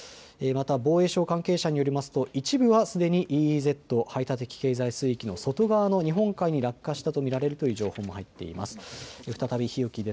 また防衛省関係者によりますと一部はすでにＥＥＺ・排他的経済水域の外側の日本海に落下したと見られるという情報が入っています。